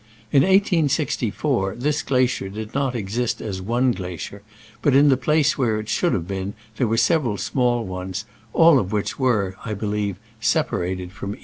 In 1864 this glacier did not exist as one glacier, but in the place where it should have been there were several small ones, all of which were, I believe, separated from each other.